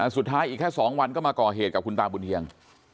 สุดท้ายอีกแค่๒วันก็มาก่อเหตุกับคุณตาบุญเฮียง